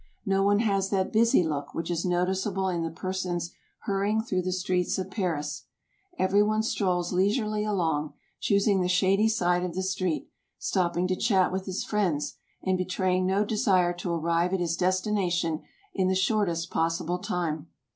No one has that busy look which is noticeable in the persons hurrying through the streets of Paris. Every one strolls leisurely along, choosing the shady side of the street, stopping to chat with his friends, and betraying no desire to arrive at his destination in the shortest possible time.